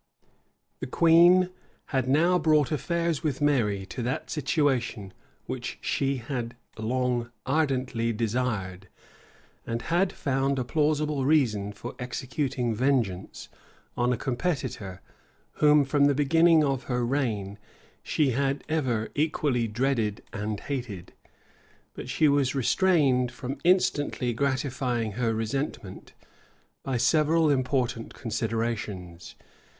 The queen had now brought affairs with Mary to that situation which she had long ardently desired; and had found a plausible reason for executing vengeance on a competitor, whom, from the beginning of her reign, she had ever equally dreaded and hated. But she was restrained from instantly gratifying her resentment, by several important considerations.